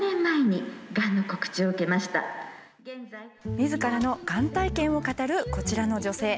みずからのがん体験を語るこちらの女性。